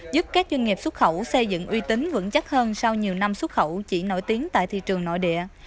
giúp các doanh nghiệp xuất khẩu xây dựng uy tín vững chắc hơn sau nhiều năm xuất khẩu chỉ nổi tiếng tại thị trường nội địa